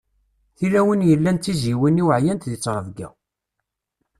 Tilawin yellan d tizziwin-iw ɛeyyant deg ttrebga.